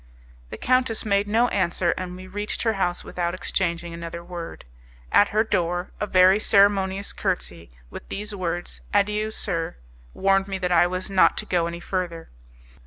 The countess made no answer, and we reached her house without exchanging another word. At her door a very ceremonious curtesy, with these words, "Adieu, sir!" warned me that I was not to go any further.